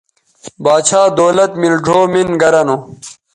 باچھا دولت میل ڙھؤ مِن گرہ نو